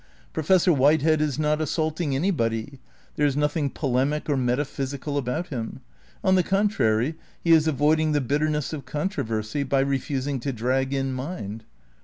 Professor Whitehead is not as saulting anybody ; there is nothing polemic or metaphy sical about him ; on the contrary, he is avoiding the bit terness of controversy by refusing to drag in mind.